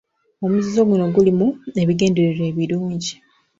Omuzizo guno gulimu ebigendererwa ebirungi.